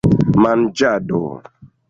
manĝado